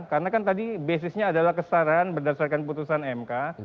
karena kan tadi basisnya adalah kesetaraan berdasarkan keputusan mk